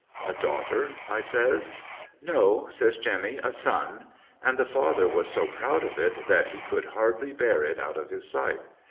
' A daughter,' I says. ' No,' says Jemmy, ' a son. And the father was so proud of it that he could hardly bear it out of his sight.